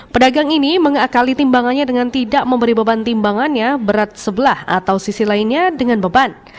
pedagang ini mengakali timbangannya dengan tidak memberi beban timbangannya berat sebelah atau sisi lainnya dengan beban